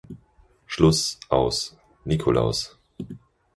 Schluss, aus, Nikolaus!